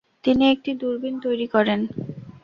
তিনি একটি দূরবীন তৈরি করেন।